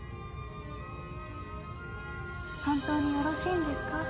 本当によろしいんですか？